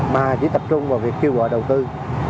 mà chỉ tập trung vào việc kêu gọi đồng tiền